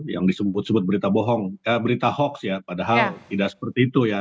yang disebut sebut berita bohong eh berita hoax ya padahal tidak seperti itu ya